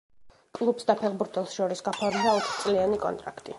კლუბს და ფეხბურთელს შორის გაფორმდა ოთხწლიანი კონტრაქტი.